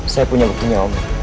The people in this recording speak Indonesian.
saya punya buktinya om